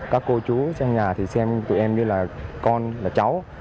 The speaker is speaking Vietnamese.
các cô chú xem nhà thì xem tụi em như là con là cháu